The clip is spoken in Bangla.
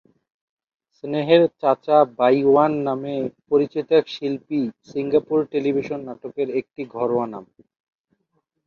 স্নেহের সাথে "চাচা বাই ইয়ান" নামে পরিচিত এই শিল্পী সিঙ্গাপুর টেলিভিশন নাটকের একটি ঘরোয়া নাম।